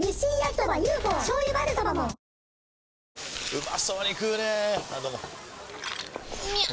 うまそうに食うねぇあどうもみゃう！！